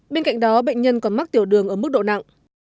bên cạnh đó bệnh nhân còn mắc tiểu đường ở mức độ nặng